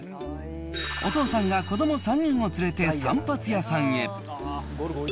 お父さんが子ども３人を連れて散髪屋さんへ。